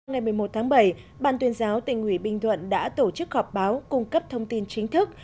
ngày một mươi một tháng bảy ban tuyên giáo tỉnh ủy bình thuận đã tổ chức họp báo cung cấp thông tin chính thức